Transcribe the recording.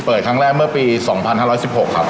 ครั้งแรกเมื่อปี๒๕๑๖ครับ